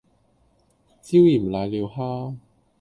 椒鹽瀨尿蝦